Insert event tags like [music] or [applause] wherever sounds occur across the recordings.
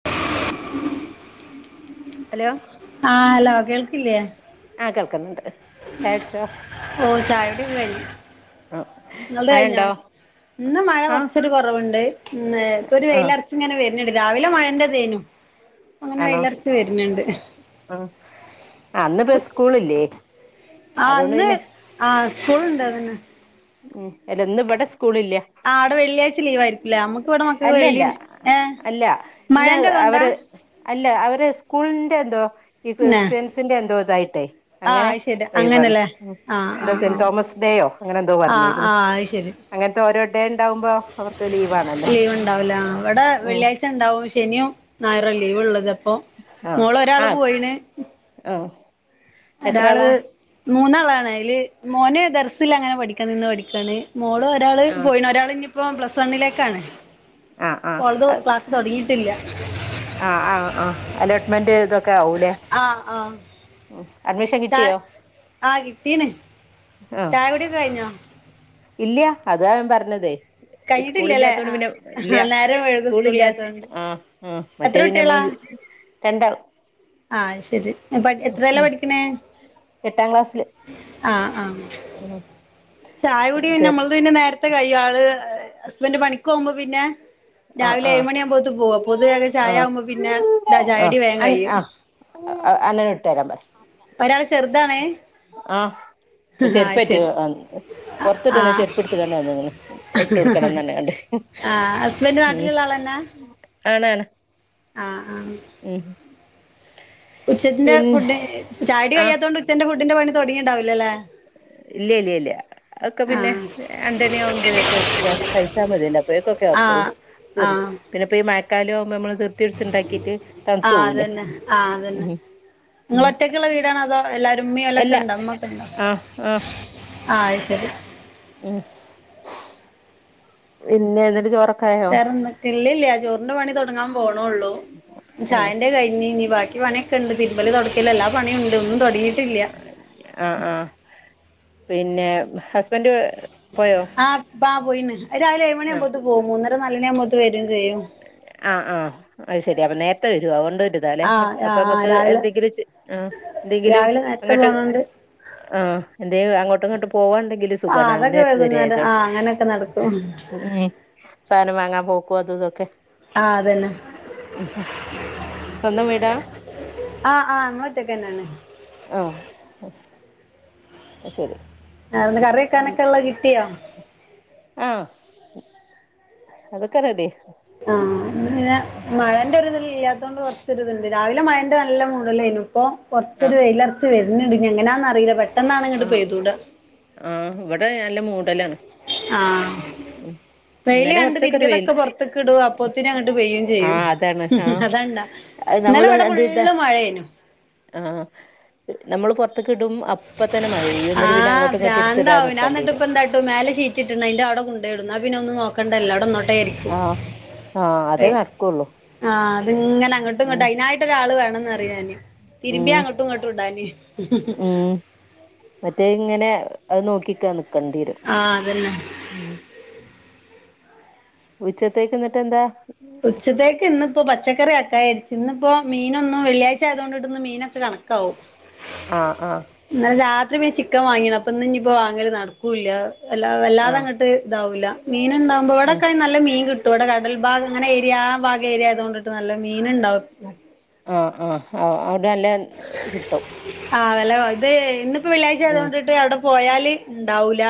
[unintelligible] Hello ആഹ് hello കേൾക്കില്ലേ ആഹ് കേൾക്ന്ന്ണ്ട് ചായെട്ച്ചോ ഓ ചായുടി ഒക്കെ കഴിഞ്ഞു ആ നിങ്ങള്ത് കഴിഞ്ഞൊ മഴണ്ടോ ഇന്ന് മഴ ആഹ് കുറച്ചരു കുറവുണ്ട് ഇപ്പൊ ഒരു ആഹ് വെയിലറ ഇങ്ങനെ വരുന്നുണ്ട് രാവിലെ മഴന്റെ ഇതേനും ഇപ്പൊങ്ങനെ വെയിലർത്തു വരുന്നുണ്ട് ആഹ് അന്ന്പ്പോ സ്കൂളില്ലേ ആഹ് അതുകൊണ്ട് ഇന്ന് പിന്നെ ആഹ് സ്കൂളുണ്ട് അതന്നെ ഉം അല്ല ഇന്ന് ഇബടെ സ്കൂളില്ല ആഹ് അവിടെ വെള്ളിയാഴ്ച ലീവ് ആയിരിക്കുംല്ലേ നമ്മുക്ക് ഇവിടെ മക്കക്ക് അല്ല വെള്ളി അല്ല ഏഹ് അല്ല ഇന്ന് മഴന്റെതൊണ്ടാ അവര് അല്ല അവര് സ്കൂളിറെ എന്തോ ഈ ന്നെ ക്രിസ്ത്യൻസിറെ എന്തോ ഇതായിട്ടേ ആഹ് അങ്ങനെ അത് ശരി വവാണ് അങ്ങനല്ലേ ആഹ് എന്താ ആഹ് സെന്റ് ആഹ് തോമസ് ഡേയോ അങ്ങനെ എന്തോ പറ ആഹ് ആഹ് അത് ശരി അങ്ങനത്തെ ഓരോ ഡേ ഉണ്ടാവുമ്പോ അവർക്ക് ലീവ് ആണല്ലോ ലീവ് ഉണ്ടാവൂല ഇവിടെ ഉം വെള്ളിയാഴ്ച ഉണ്ടാവും ശനിയും ഞായറ ലീവ് ഉള്ളത് അപ്പൊ ആഹ് മോള് ഒരാള് ആഹ് പോയിണ് [unintelligible] എത്ര ഒരാള് ആളാ മൂന്നാളാണ് അതില് മോന് ദർസില അങ്ങനെ പഠിക്കൻ നിന്ന് പഠിക്കാണ് മോള് ഒരാള് ആഹ് പോയി ഒരാൾ ഇനിയിപ്പോ പ്ലസ് വണ്ണിലേക്കാണ് ആഹ് ഓളത് ആഹ് തുടങ്ങിയിട്ടില്ല ആഹ് ആഹ് ആഹ് അലോട്ട്മെന്റ് ഇതൊക്കെ ആവൂല്ലേ ആഹ് ആഹ് ച കിട്ടിയോ ആഹ് കിട്ടീന് ആഹ് ചായ കുടൊക്കെ കഴിഞ്ഞോ ഇല്ല അതാ ഞൻ പറഞ്ഞതേ സ്കൂള കഴിഞ്ഞിട്ടില്ലല്ലേ ഇില്ലാത്തോണ്ട് പിന്നെ ഇല്ല ആഹ് നേരം വഴുകും സ്കൂളില്ല സ്കൂളില്ലാത്തോണ്ട് ആഹ് ആഹ് എത്ര മറ്റേ പിന്നെ കുട്ടികളാ നമ്മള് [unintelligible] ആഹ് ശരി എത്രയല്ല ഉം പഠിക്കണേ എട്ടാം ക്ലാസ്സില് ആഹ് ആഹ് ഉം ചായ കുടി ചേർ നമ്മത് പിന്നെ നേരത്തെ കൈയ ആള് ഹസ്ബന്ഡറ് പണിക്ക് പോകുമ്പോ പിന്നെ ആഹ് രാവിലെ ആഹ് ഏഴുമ മണിയ ആവുമ്പോഴു പേർ ആഹ് പൊതുവൊക്കെ ചായ ആഹ് ആകുമ്പോ പിന്നെ ചായടി വേം കഴിയും അന്നന ഇട്ടത്തരാ ബറ ഒരാള് ചെറുതാണ് ആഹ് ഇപ്പൊ ചെരുപ്പ പൊറത്തിട്ടെ ആഹ് ചെരുപ്പ എടുത്ത് കണ്ട വന്ന നി ഇട്ട് കൊടുക്കണംന്ന് തന്നെ കണ്ടണ്ട് ആഹ് ഹസ്ബൻഡ് നാട്ടിലുള്ള ആളെന്നാ ആണാണ് ആഹ് ആഹ് ഉം ഉച്ചത്തിന്റെ പിന്നെ ഫുഡ് ചാടി ആ കയ്യാത്തുകൊണ്ട് ഉച്ചന്റെ ഫുഡിന്റെ പണി തുടങ്ങിണ്ടാവില്ലല്ലേ ഇല്ല ഇല്ല ഇല്ലേ ഒക്കെ പിന്നെ ആഹ് രണ്ടണി ആകുമ്പയൊക്കെ ഒക്കെ കഴിച്ചാൽ മതിയല്ല പോയൊക്കെ ഒക്കെ ആക്കുള്ളൂ ആഹ് തീർത്തും ആഹ് പിന്നെപ്പ ഈ മഴക്കാലോുമ്പ നമ്മള് തീർ തീർച്ചുണ്ടാക്കീട്ട് തണുത്ത പോകൂലേ ഉം നിങ്ങൾ ഉം ഒറ്റയ്ക്കുള്ള വീടാണ അതോ എല്ലാരുംമ്മയും ഓലൊക്കെ അല്ല ഉണ്ടോ അമ്മ ഒക്കെ ഉണ്ടോ ആഹ് ആഹ് ആയ്ശരി ഉം പിന്നെന്റെ ചോറ [unintelligible] ചോറിന്റെ പണി തുടങ്ങാൻ പോണള്ളൂ ഉം ചായന്റെ കഴിഞ്ഞ് ഇനി ബാക്കി പണിയൊക്കെ ഉണ്ട് പിരുവലി തുടക്കല്ല എല്ലാ പണിയ ഉണ്ട് ഒന്നും തുടങ്ങയിട്ടില്ല ആഹ് ആഹ് പിന്നെ ഹസ്ബൻഡ് പോയോ ആഹ് ആഹ് പോയി രാവില ഏഴണ ആഹ് ആകുമ്പോ പോം മൂന്നര നാല് മണ ആകുമ്പോ വരും ചെയ്യും ആഹ് ആഹ് ആഹ് ശരി അപ്പ നേരത്തെ വരുവാ അതുകൊണ്ട് വരുതാ അല്ലെ ആ ആ അപ്പൊ ആ നമുക്ക് രാവിലെ എന്തെങ്കിലും ആഹ് എന്തെങ്കിലും രാവിലെ നേരത്തെ അങ്ങോട്ട് പോണോണ്ട് ആഹ് എന്തെ അങ്ങോട്ടും ഇങ്ങോട്ട് പോവാണ്ടെങ്കിലും ആ സുഖണ അതൊക്കെ നേരത്ത് വൈകുന്നേരം വരിയതോ ആ അങ്ങനെയൊക്കെ നടക്കും ഉം സാധനം വാങ്ങാൻ പോക്കും അത് ഇതൊക്കെ ആഹ് അതന്നെ ഉം ഉം സ്വന്തം വീടാ ആഹ് ആഹ് അങ്ങോട്ടൊക്കെന്നാണ് ആഹ് ആഹ് ശരി ആ ഇന്ന് കറി ഉം വെക്കാനൊക്കെള്ളത് കിട്ടിയോ ആഹ് അതൊക്ക റെഡി ആഹ് പിന്നെ മഴേന്റെ ഒരിതില്ലാത്തോണ്ട് കുറച്ചൊരിതുണ്ട് രാവിലെ മയന്റെ നല്ല മൂഡല്ലേയിനു ഇപ്പൊ കുറച്ചൊരു ആഹ് വെയിലുറച്ച് വരണ്‌ണ്ട് ഇനി എങ്ങനാന്നറീല്ല പെട്ടെന്നാണ് ഇങ്ങട് ആഹ് പെയ്തൂട ആഹ് ഇവിടെ നല്ല മൂടലാണ് ആ ഉം വെയില് ഇന്നലെ കണ്ട് കൊറച്ചൊക്കെ ഒരു വെയിൽ [unintelligible] പുറത്തക്ക് ഇവിടു അപ്പോത്തന്നെ അങ്ങോട്ട് പെയ്യേം ചെയ്യും ആഹ് അതാണ് ആഹ് അതോണ്ടാ ഇന്നലെ ഇവിടെ ഫുള്ള് മഴേനു ആ നമ്മള് പൊറത്ത്ക്ക്ടും അപ്പ തന്നെ മഴ പെയ്യും എന്നട്ട് പിന്നെ അങ്ങോട്ട് പ്രാന്താവും ഞാന്നാട്ട് ഇപ്പ എന്താട്ടും മേലെ ഷീറ്റിട്ട്ണ് അതിന്റെ അവിടെ കൊണ്ടെയിടും ഇന്നാ പിന്നെ ഒന്നും നോക്കണ്ടല്ല അവിടെന്നോട്ടെയിരിക്കും ആഹ് ആഹ് അതേ നടക്കുള്ളൂ ആഹ് അത്ങ്ങന അങ്ങട്ടും ഉം ഇങ്ങട്ടും അതിനായിട്ട ഒരാള് വേണംന്ന് അറിയാന്ന് തിരുമ്പി ഉം അങ്ങോട്ടും ഇങ്ങോട്ടും ഇണ്ടാന് ഉം മറ്റേ ഇങ്ങനെ അത് നോക്കിക്കാ നിക്കണ്ടി വരും ആഹ് അതന്നെ ഉം ഉച്ചത്തേക്ക് എന്നിട്ട് എന്താ ഉച്ചേത്തേക് ഇന്ന് ഇപ്പോ പച്ചക്കറി ആക്ക വിചായിച്ച് ഇന്ന് ഇപ്പോ മീനൊന്നും വെള്ളിയാഴ്ച ആയതുകൊണ്ട്ട്ട് ഇന്ന് മീനൊക്കെ കണക്ക ആഹ് ആഹ് ഇന്നലെ രാത്രി പോയി ചിക്കൻ വാങ്ങീന്ന് അപ്പൊ ഇന്നിപ്പോ വാങ്ങല് നട ക്കൂല്ല വല്ലാ ആഹ് വല്ലാതങ്ങോട്ട് ഇതാവൂല്ല മീനുണ്ടാവുമ്പോ ആഹ് ഇവിടെക്കെ നല്ല മീൻ കിട്ട ഇവിടെ കടൽ ഭാഗ്ങ്ങനെ ഏരിയ ആ ഭാഗ ഏരിയയാതുകൊണ്ടട്ട് നല്ല മീനുണ്ടാവും ആഹ് ആഹ് അവിടെ നല്ല കിട്ടും ആഹ് വില ഇത് ഇന്നിപ്പോ വെള്ളിയാഴ്ച ഉം ആയതുകൊണ്ടിട്ട് അവിടെ പോയാല് ഉണ്ടാവൂല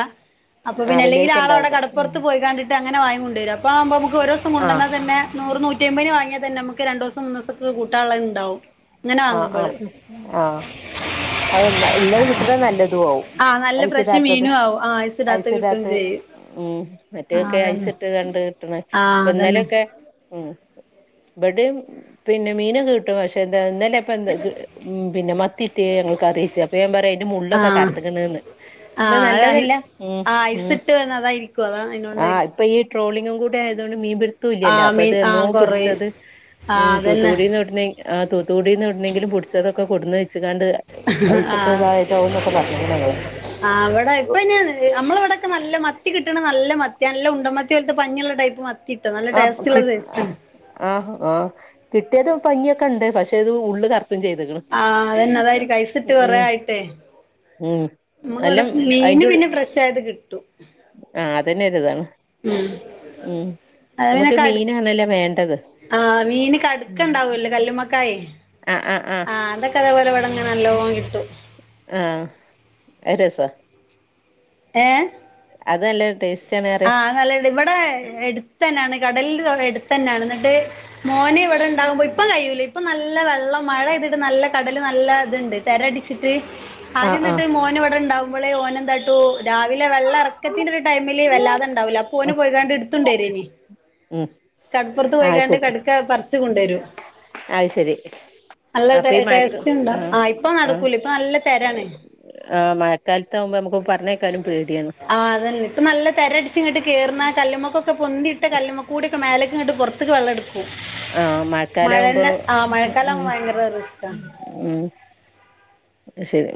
അപ്പൊ ആഹ് പിന്നെല്ലെങ്കിൽ വെള്ളിയാഴ്ച ആളവിടെ ഉണ്ടാവില്ല ഉം കടപ്പുറത്ത് പോയിക്കണ്ടിട്ട് അങ്ങനെ വാങ്ങി കൊണ്ട വര അപ്പവുമ്പ നമുക്ക് ഓരോസം ആഹ് കൊണ്ടന്നാ തന്നെ നൂറ് നൂറ്റിയമ്പതിന് വാങ്ങിയാ തന്നെ നമ്മക്ക് രണ്ടോസം മൂന്നോസത്തേക്ക് കൂട്ടാനുള്ളോതുണ്ടാകും ഇങ്ങനെ വാങ്ങു ആ ഫ്രി ആഹ് അതെന്നെ ഉള്ളത് കിട്ടണത് നല്ലതുവാവും ആ നല്ല ഫ്രഷ് ഐസിടാത്തത് മീനും ആവും ആ ഐസ് ഇടാത്ത കിട്ടുകയും ഐസിടാത്ത ചെയ്യും ഉം ആ മറ്റൊതൊക്കെ അതന്നെ ഐസിട്ട് കണ്ടുകിട്ടണ ആ ഇപ്പോ അതന്നെ ഇന്നലൊക്കെ ഉം ഇവിടേം പിന്നെ മീനൊക്കെ കിട്ടും പക്ഷെ എന്താ ഇന്നലെ പിപ്പ എന്ത് പിന്നെ മത്തിയിട്ട് ഞങ്ങൾക്ക് അറിയിച്ചച്ച് അപ്പൊ ഞൻ പറയാ എന്റെ ആ മുള്ളൊക്കെ കത്തക്കണന്ന് ആ അത് ഐസിട്ട് വന്നതാരിക്കും അതാ ആഹ് അതോണ്ടാരിക്കും ഇപ്പൊ ഈ ട്രോളിങ്ങും കൂടി ആയതോണ്ട് മീൻ പി ഒട്ടും ആ ഇല്ലല്ലോ അപ്പൊ മീൻ ഇത് ആ എന്നോ കൊറയും പിടിച്ചത് ആ ഉം അതന്നെ തൂത്തുക്കുടീന്ന് എവിടെന്നെ ആ തൂത്തുക്കുടീന്ന് എവിടുന്നെങ്കിലും പിടിച്ചതൊക്കെ കൊടുന്ന് വെച്ച്ങ്ങാണ്ട് ഐസ് ആ ഇട്ടതായതാവും ന്നൊക്കെ പറഞ്ഞ്ക്ക്ണ് ഞങ്ങള് അവിടെ ഇപ്പ നമ്മളവിടൊക്കെ നല്ല മത്തി കിട്ടണ നല്ല മത്തിയാ നല്ല ഉണ്ടമത്തി പോലത്തെ പഞ്ഞിയുള്ള ടൈപ്പ് മത്തി കിട്ടും നല്ല ആഹ് ടേസ്റ്റുള്ള കി [unintelligible] ആഹ് ആഹ് കിട്ടിയത് പഞ്ഞിയൊക്കെ ഇണ്ട് പക്ഷെ ഇത് ഉള്ള് കർ ആഹ് അതന്നെ അതായിരിക്കും ഐസിട്ട് കൊറെ ഉം ആയിട്ടേ ഉം നമുക്ക് ഇവിടെ എല്ലാം മീന് പിന്നെ ഫ്രഷായിട്ട് കിട്ടും ആഹ് അതന്നെ ഒരിതാണ് ഉം ഉം നമുക്ക് മീനാണല്ലോ വേണ്ടത് ആഹ് മീന് ഉം. കടുക്കണ്ടാവൂല്ലോ കല്ലുമ്മക്കായ് ആ ആ ആ ആഹ് അതൊക്കെതേ പോലെ വിടെങ്ങനെ നല്ലോം കിട്ടും ആഹ് രസാ ഏ അത് നല്ലൊരു ടേസ് ആഹ് അല്ല ഇവിടെ എടുത്ത് തന്നെയാണ് കടലിൽ എടുത്ത് തന്നെയാണ് ണ്ട് മോന് ഇവടെണ്ടാവുമ്പോ ഇപ്പൊ കയ്യൂലേ ഇപ്പൊ നല്ല വെള്ളം മഴയെതിട്ട് നല്ല കടല് നല്ല ഇത്ണ്ട് തെരട്ച്ചിട്ട് ആ ആ ആദ്യന്നെട്ട് മോന് ഇവടെണ്ടാവുമ്പളേ ഓനെന്താട്ടും രാവിലെ വെള്ളറക്കത്തിന്റെ ഒരു ടൈമില് ഉം വെല്ലാതെണ്ടാവൂല അപ്പോന് പോയിക്കാണ്ട് ഇടുത്തുണ്ടെരേനി ഉം. കട്പ്പൊർത്ത് പോയിക്കാണ്ട് കട് ക്കാ പർച്ച് കൊണ്ടോരും അഹ് ശെരി അപ്പൊ ഈ മഴക്ക് ടേസ്റ്റ് ഉണ്ടാവും ആഹ ആഹ് ഇപ്പൊ ആ നടക്കൂല ഇപ്പൊ നല്ല തിരാണ് ആഹാ മഴക്കാലത്താകുമ്പോ നമുക്ക് പറഞ്ഞേക്കാനും പേടിയാണ് ആഹ് അതന്നെ നല്ല തെരടച്ച്ങ്ങട്ട് കേർണ കല്ലുമക്കൊക്കെ പൊന്തിയിട്ട കല്ലുമക്കൂടിയൊക്കെ മേലക്ക്ങ്ങെട്ട് പൊർത്ത്ക്ക് വെള്ളട്ക്കും ആ മഴക്കാലം ആവുമ്പോ മഴന്റെ ആ മഴക്കാലാവുമ്പോ ഭയങ്കര റിസ്‌ക്കാ മ് അയ്ശെരി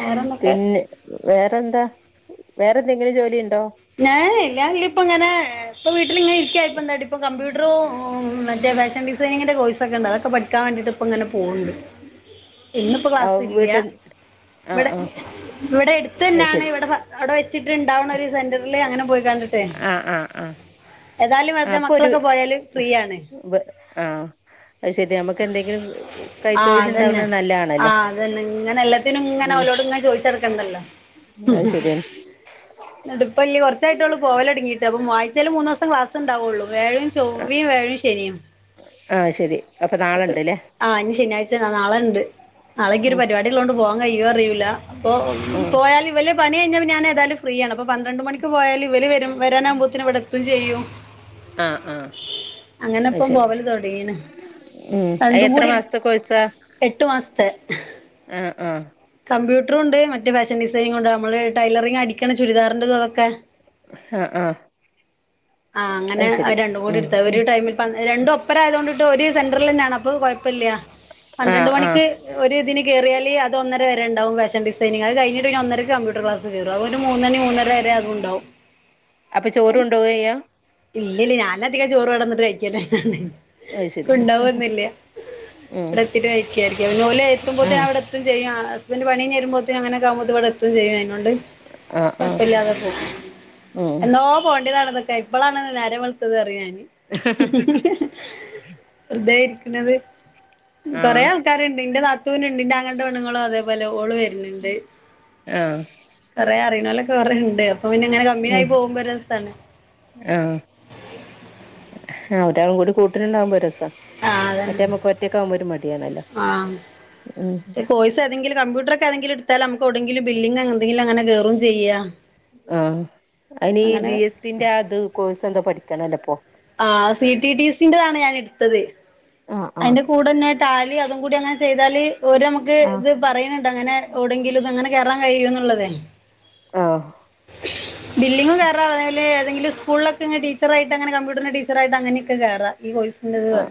വേറെന്തൊക്കെ പിന്നെ വേറെന്താ വേറെന്തെങ്കിലും ജോലിയ്ണ്ടോ? ഏഹേല്ല ഞാനിതില്പ്പെങ്ങനെ ഇപ്പൊ വീട്ടിലിങ്ങനെ ഇരിക്കായപ്പെന്താട്ടീ ഇപ്പം കമ്പ്യൂട്ട്റും മറ്റെ ഫാഷൻ ഡിസൈനിങ്ങിന്റെ കോഴ്സൊക്കെണ്ട് അതൊക്കെ പഠിക്കാ വേണ്ടിട്ട്പ്പങ്ങനെ പോവ്ണ്ട് ഉം ഇന്ന്പ്പൊ ക്ലാസില്ല്യ ഇവടെ ഇവടെട്ത്തെന്നെ അഹ് ശെരി അവിടെ വെച്ചിട്ട്ണ്ടാവ്ണൊരു സെന്ററില് അങ്ങനെ പോയികാണ്ട്ട്ടെ ആഹ് ആഹ് ആഹ് ഏതായാലും വെറ്തെ അപ്പൊ ഒരു മക്കളൊക്കെ പോയാല് ഫ്രീയാണ് അഹ് ശെരിയാ നമുക്കെന്തെങ്കിലും കൈതൊഴില്ണ്ടാവ്ണത് നല്ലാണല്ലോ? ആഹ് അതന്നെ ഇങ്ങനെല്ലാ ത്തിനുങ്ങെനെ ഓലോട്ങ്ങനെ ചോയ്ച്ചട്ക്കണ്ടല്ലൊ? അഹ് ശെരിയാണ് അതിപ്പല്ല്യ കൊറച്ചായിട്ടൊള്ളു പോവലൊടിങ്ങിട്ട് അപ്പൊ ആയ്ച്ചേല് മൂന്നോസം ക്ലാസ് ണ്ടാവൊള്ളൂ വ്യായും ചൊവ്വിം വ്യായും ശെനിയും ആഹ് ശരി അപ്പൊ അപ്പ നാളെണ്ട്ല്ലേ ആഹ് ഇഞ് ശനിയാഴ്ച്ചെന്നാ നാളെണ്ട് നാളെയിൻക്കൊരു ഉം പരിപാടിള്ളൊണ്ട് പോവാൻ കയ്യോ അറിയൂല അപ്പൊ ആഹ് പോയാല് വല് പണി കഴിഞ്ഞാ പിന്നെ ഞാനേതായാലും ഫ്രീയാണ് അപ്പം പന്ത്രണ്ട് മണിക്ക് പോയാല് ഇവല് വെരാനാവുമ്പോത്ത്ന് ഇവ്ടെത്തും ചെയ്യും ആഹ് ആഹ് അത് അങ്ങനെപ്പം ശരി പോവല് തൊടങ്ങീണ് ഉം അത് രണ്ടും എത്ര കൂടി മാസത്തെ കോഴ്സാ എട്ടു മാസത്തെ ആഹ് ആഹ് കമ്പ്യൂട്ടറുണ്ട് മറ്റെ ഫാഷൻ ഡിസൈനിങ്ങുണ്ട് നമ്മള് ടൈലറിങ്ങ് അടിക്ക്ണെ ചുരിദാറിന്റെതു അതൊക്കെ ആഹ ആഹ ആഹ് അങ്ങനെ അഹ് രണ്ടും കൂടിട്ത്താ ഒരു ടൈമില് രണ്ടും ഒപ്പരായത് കൊണ്ടിട്ട് ഒരു സെന്ററിലെന്നെയാണ് അപ്പൊ കൊഴപ്പല്ല്യ പന്ത്രണ്ട് ആഹ് ആഹ് മണിക്ക് ഒരു ഇതിന് കേറിയാല് അത് ഒന്നരവരേണ്ടാവും ഫാഷൻ ഡിസൈനിങ് അഹ് കഴിഞ്ഞിട്ട് ഒന്നരക്ക് കമ്പ്യൂട്ടർ ക്ലാസ്സിന് കേറും ഒരു മൂന്നണി മൂന്നര വരെ അതുണ്ടാവും അപ്പ ചോറു കൊണ്ടോവെയ്യാ? ഇല്ല്യയില്ല്യ ഞാനധികം ചോറ് ഇവടെന്നിട്ട് കഴിക്കലാണ് അത് ശരി കൊണ്ടൊവൊന്നുല്ല്യ ഉം ഇവടെത്തിട്ട് കഴിക്കായ്രിക്കും പിന്നോല് എത്തുമ്പോത്തിന് ആഹ് ഞാന് വെടെ എത്തും ചെ യ്യും ഹസ്ബന്റ് പണി കഴിഞെരുമ്പോത്തിന് അങ്ങനെ ച്ചാവുമ്പോത്തിന് ഇവടെ എത്തും ചെയ്യും അയിനോണ്ട് ആഹ് ആഹ് കൊഴപ്പല്ലാതെ പോവ് ഉം എന്നോ പോവെണ്ടിയെതാണ്തൊക്കെ ഇപ്പളാണ് നേരം വെൾത്തെത് ന്ന്റിയഞാന് വെറ്തെ ഇരിക്ണത് കൊറേ ആഹ് ആൾ ക്കാര്ണ്ട് ഇന്റെ നാത്തൂന്ണ്ട് ഇന്റെ ആങ്ങളന്റെ പെണ്ണ്ങ്ങളും അതെപോലെ ഓള് വെര്ന്ണ്ട് ആഹ് കോറെ അറിണൊലൊക്കെ കൊറെയിണ്ട് അപ്പൊ പിന്നെങ്ങനെ ഉം കമ്പിനിയായി പോകുമ്പോ ഒര് രെസാണ് ആഹ് ആഹ് ഒരാളും കൂടി കൂട്ടിന്ണ്ടാവുമ്പോ ഒര് രെസാ ആഹ് മറ്റെ അതന്നെ ഞമ്മക്ക് ഒറ്റക്കാവുമ്പോ ഒര് മടിയാണല്ലോ? ഉം കോയിസ് ഏതെങ്കിലും കമ്പ്യൂട്ടാറൊക്കെ ഏതെങ്കിലുട്ത്താല് ഞ്ഞമ്മക്ക് ഔടെങ്കിലും ബില്ലിങ്ങ് എന്തെങ്കിലും അങ്ങെനെ കേറും ചെയ്യാം ആഹ് അയ്നീ ജി എസ് റ്റി ന്റെ ആഹാ ഇത് കോഴ്സെന്തൊ പഠിക്കണെല്ലോ ഇപ്പൊ? ആഹ് സി റ്റി ടി സി ന്റെതാണ് ഞാൻ എട്ത്താത്. ആഹ് ആഹ് അയിന്റെ കൂടെന്നെ റ്റാലി അതും കൂടി അങ്ങനെ ചെയ്താല് ഓര് ഞമ്മക്ക് ഇത്. പറയാണ് ഇണ്ട് അങ്ങനെ എവിടെങ്കിലും അങ്ങനെ കേറാൻ കഴിയുന്നാള്ളാതേ. ആഹ്. ബില്ലിങ്ങ് കേയറ [unintelligible] ഏതെങ്കിലും സ്കൂളിലക്കെ ടീച്ചാറയിട്ട് അങ്ങനെ കമ്പ്യൂട്ടറിൻ്റെ ടീ ച്ചറായിട്ട് അങ്ങനെയൊക്കെ കേറാം ഈ കോഴസിന്റ ഇത്. ആഹ്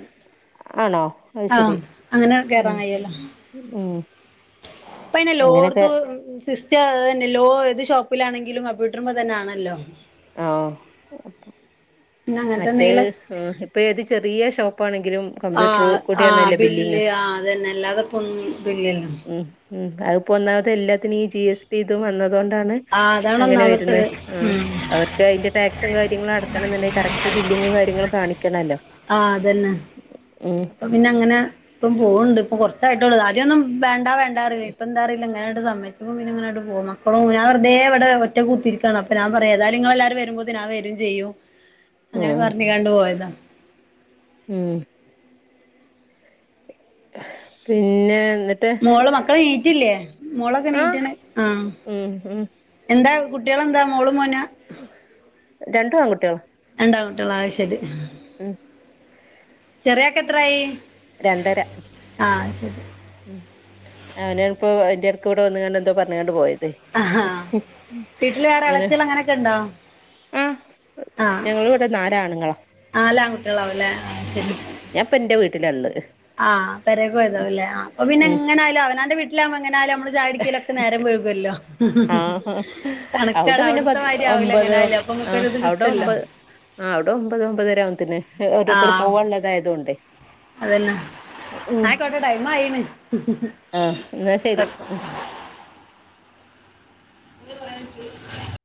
ആണോ അത് ശേരി അങ്ങനെ ഉം കേറാൻ കഴിയുമല്ലോ ഉം. ഇപ്പം അയിന് അങ്ങനൊക്കെ എല്ലോടെത്തും ഉം. സിസ്റ്റ് അത് തന്നെ ലോ ഏത് ഷോപ്പിലാണെങ്കിലും കമ്പ്യൂട്ടർമ്മേ തന്നെ ആണല്ലോ. ആഹ് ഓ പിന്നെ അങ്ങനത്തെ മറ്റേ. എന്തെങ്കിലും ഉം ഇപ്പോ ഏത് ചെറിയ ഷോപ്പാണെങ്കിലും. കമ്പ്യൂട്ടർ ആഹ് ആഹ് കൂടിയാണല്ലോ ബില്ലിങ് ബില്ല് ആഹ് അത് തന്നെ അല്ലാതെ ഇപ്പോ ഒന്നും ബില്ലില്ലാ. ഉം ഉം അത് ഇപ്പം ഒന്നാമത് എല്ലാത്തിനും ഈ ജി എസ് ടി ഇതും വന്നത് കൊണ്ടാണ്. ആ അതാണ് അങ്ങനെ വേരുന്നേ ഒന്നാമത്തത് ആഹ്. ഉം അവർക്ക് അയിന്റെ ടാക്സും കാര്യങ്ങളും അടക്കണം എന്ന് ഉണ്ടെങ്കി കറക്റ്റ് ബില്ലിങ്ങും കാര്യങ്ങളും കാണിക്ക്യാണല്ലോ. ആഹ് അത് തന്നെ. ഉം ഏഹ്. അപ്പം പിന്നെ അങ്ങനാ. ഇപ്പം പോവണ്ട് ഇപ്പോ കോറച്ചായിട്ട് ഒള്ള് ആദ്യം ഒന്നും വേണ്ട വേണ്ടാ അറില്ലാ ഇപ്പൊ എന്താറിയില്ല എങ്ങനെയാണ്ട് സമ്മായിച്ച്. അപ്പോ പിന്നെ അങ്ങനോട്ട് പോന്നു. അപ്പ ഞാൻ വെറുതെ ഇവടെ ഒറ്റക്ക കൂത്തിരിക്ക്യയാണ് അപ്പൊ ഞാൻ പറയാം ഏതായലും നിങ്ങള് എല്ലാരും വെരുമ്പോത്തേന് ഞാൻ വെരും ചെയ്യും. അങ്ങനെ ഉം പറഞ്ഞ്ങ്ങാട്ട് പോയതാ. ഉം. പിന്നെ എന്ന് മോള് മക്കളെ എറ്റില്ലേ മോളൊക്കെ ആഹ് എണിറ്റാണ് ആഹ്. ഉം ഉം എന്താ കുട്ടികള് എന്താ മോളും, മോനും ആ? രണ്ടും ആൺകുട്ടിയോളാ. രണ്ട് ആൺകുട്ടികളാ ആഹ് ശേരി. ഉം. ചെറിയാക്ക് എത്ര ആയി. രണ്ട് അര. ഉം അവനാണിപ്പോ എന്റെ എടയ്ക്ക് ഇവടെ വന്ന്ങ്ങാണ്ട് എന്തോ പറഞ്ഞു ങ്ങാട്ട് പോയതേ. ആഹാ വീട്ടില് വേറെ അങ്ങനെ ഇളച്ചികൾ അങ്ങനെയൊക്കെ ഉണ്ടോ ആഹ് ആഹ് ഞങ്ങള് ഇവി ഒക്കെ നാല് ആണ്ങ്ങളാ. നാല് ആൺകുട്ടികളാവും അല്ലേ ആഹ് ശേരി. ഞാൻ ഇപ്പേ എന്റെ വീട്ടിലാ ഒള്ളാത്. ആഹ് പേരോ പോയതാവും അല്ലേ ആഹ് അപ്പേ പിന്നെ ഉം എങ്ങനൊലും അവനാന്റെ വീട്ടിലാവുമ്പോ എങ്ങനയായാലും നമ്മള് ചായകുടിയ്ക്കലോക്കെ നേരം വൈകുവല്ലോ. ആഹ് അവിടെ പിന്നെ പ കണക്കാണ്അവടത്തെ മാതിരി ആവൂല്ലാ ഒമ്പത് എങ്ങനെയായാലും അപ്പൊ നമ്മ്ക്ക് ആഹ് ഇത് അവിടെ കിട്ടുവല്ലോ. ഒമ്പത് ആഹ് അവടെ ഒമ്പത് ഒമ്പതേരാ ആവുമ്പത്തേന് ഓരോരുത്തര് പോവാനുള്ളത് ആയതോകൊണ്ടേ. അയ് തന്നെ എന്നാ ആയിക്കോട്ടെ ടൈമായീന്ന്. ആഹ് എന്നാ ശരി ഉം [unintelligible]